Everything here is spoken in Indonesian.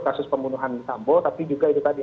kasus pembunuhan sambo tapi juga itu tadi